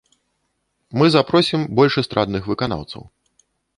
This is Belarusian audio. Мы запросім больш эстрадных выканаўцаў.